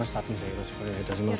よろしくお願いします。